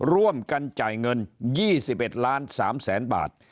ร่วมกันจ่ายเงิน๒๑ล้าน๓แสนบาท